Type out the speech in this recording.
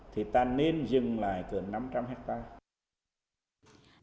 thì ta nên dừng lại cửa năm trăm linh hectare